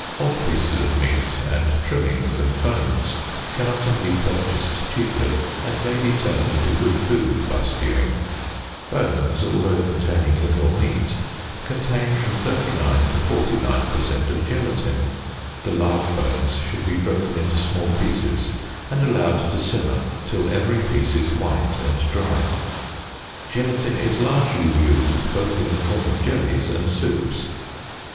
Odd pieces of meat and trimmings and bones can often be purchased cheaply, and may be turned into good food by stewing. Bones, although containing little meat, contain from 39 to 49 % of gelatin. The large bones should be broken into small pieces, and allowed to simmer till every piece is white and dry. Gelatin is largely used both in the form of jellies and soups.